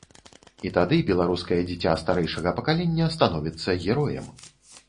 І тады беларускае дзіця старэйшага пакалення становіцца героем.